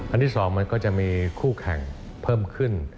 ที่๒มันก็จะมีคู่แข่งเพิ่มขึ้น